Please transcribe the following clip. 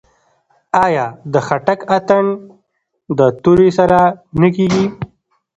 آیا د خټک اتن د تورې سره نه کیږي؟